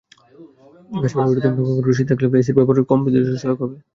গাছপালাবেষ্টিত ভবন শীতল থাকলে এসির ব্যবহার কমে বিদ্যুৎ সাশ্রয়ে সহায়ক হবে।